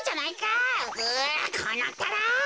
うこうなったら。